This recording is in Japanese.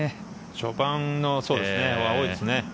序盤は多いですね。